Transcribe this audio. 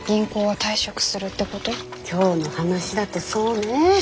今日の話だとそうね。